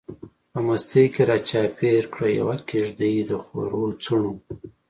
په مستۍ کی را چار پیر کړه، یوه کیږدۍ دخورو څڼو